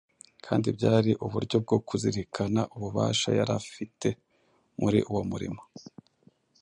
kandi byari uburyo bwo kuzirikana ububasha yari afite muri uwo murimo.